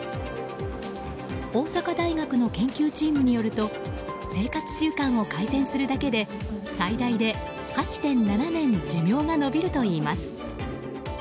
大阪大学の研究チームによると生活習慣を改善するだけで最大で８．７年寿命が延びるといいます。